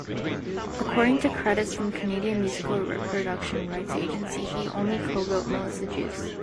According to credits from Canadian Musical Reproduction Rights Agency he only co-wrote "Melissa Juice".